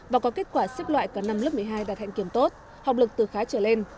và có kết quả xếp loại cả năm lớp một mươi hai đạt hạnh kiểm tốt học lực từ khá trở lên